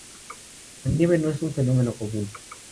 La nieve no es un fenómeno común.